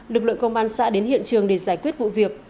lực lượng công an xã đến hiện trường để giải quyết vụ việc